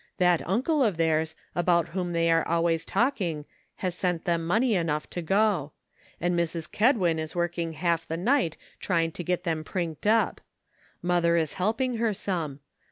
That uncle of theirs about whom they were always talking has sent them money enough to go ; and Mrs. Kedwin is working half the night trying to get them prinked up. Mother is helping her some.